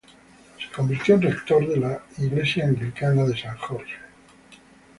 Se convirtió en rector de la iglesia anglicana de San Jorge.